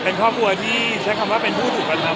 เป็นค่อคคลัวที่ใช้คำว่าเป็นกับรับแสบ